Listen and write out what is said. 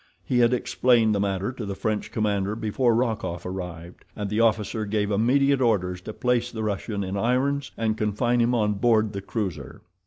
He had explained the matter to the French commander before Rokoff arrived, and the officer gave immediate orders to place the Russian in irons and confine him on board the cruiser.